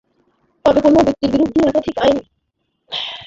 তবে কোনো ব্যক্তির বিরুদ্ধে একাধিক আইনে মামলা হলে বেশি সময় লাগতে পারে।